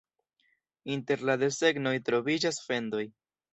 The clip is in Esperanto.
Inter la desegnoj troviĝas fendoj.